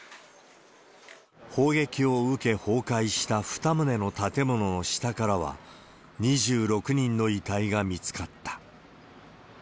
砲撃を受け崩壊した２棟の建物の下からは、２６人の遺体が見つかった。